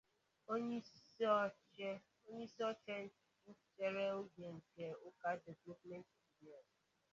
onyeisioche nchere oge nke 'Uke Development Union'